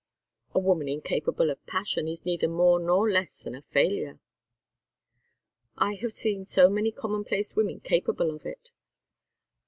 "A woman incapable of passion is neither more nor less than a failure." "I have seen so many commonplace women capable of it!